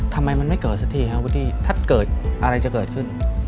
ทำไมมันไม่เกิดละสักที